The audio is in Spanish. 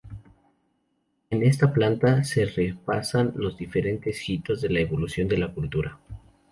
En esta planta se repasan los diferentes hitos de la evolución de la cultura.